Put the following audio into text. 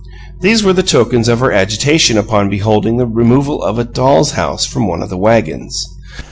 These were the tokens of her agitation upon beholding the removal of a dolls' house from one of the wagons.